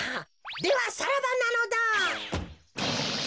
ではさらばなのだ。